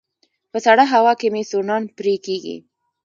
په سړه هوا کې مې سوڼان پرې کيږي